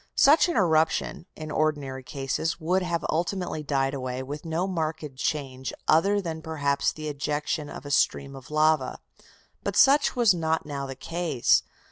Such an eruption, in ordinary cases, would have ultimately died away, with no marked change other than perhaps the ejection of a stream of lava. But such was not now the case.